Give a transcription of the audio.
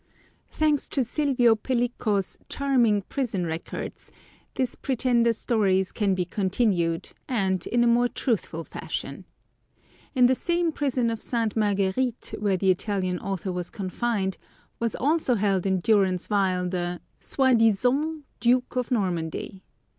Thanks to Silvio Pellico's charming prison records, this pretender's story can be continued, and in a more truthful fashion. In the same prison of Ste. Marguerite, where the Italian author was confined, was also held in durance vile the soi disant Duke of Normandy.